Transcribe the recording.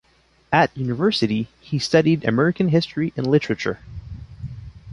At university, he studied American history and literature.